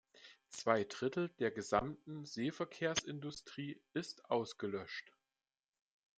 Zwei Drittel der gesamten Seeverkehrsindustrie ist ausgelöscht.